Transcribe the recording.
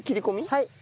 はい。